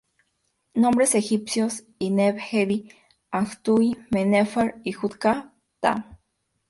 Nombres egipcios: Ineb-hedy, Anj-tauy, Men-Nefer y Hut-ka-Ptah.